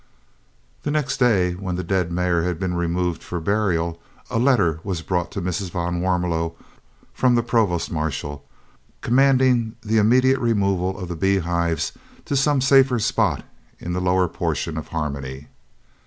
The next day, when the dead mare had been removed for burial, a letter was brought to Mrs. van Warmelo from the Provost Marshal, commanding the immediate removal of the beehives to some safer spot in the lower portion of Harmony.